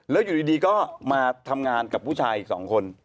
แล้วอยู่ดีก็มาทำงานกับผู้ชายอีก๒คน